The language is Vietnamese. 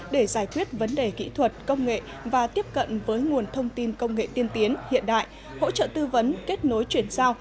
để giải quyết vấn đề kỹ thuật công nghệ và tiếp cận với nguồn thông tin công nghệ tiên tiến hiện đại hỗ trợ tư vấn kết nối chuyển giao